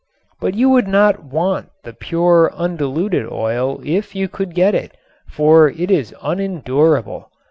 But you would not want the pure undiluted oil if you could get it, for it is unendurable.